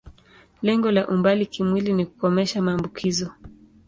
Lengo la umbali kimwili ni kukomesha maambukizo.